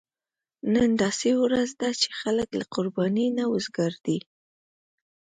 نن داسې ورځ ده چې خلک له قربانۍ نه وزګار دي.